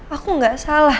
aku gak salah